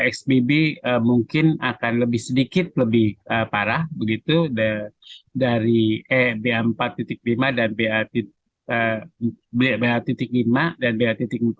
xbb mungkin akan sedikit lebih parah dari ba lima dan ba empat